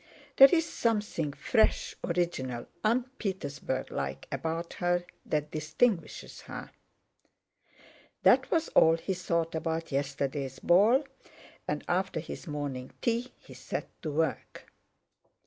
There's something fresh, original, un Petersburg like about her that distinguishes her." That was all he thought about yesterday's ball, and after his morning tea he set to work.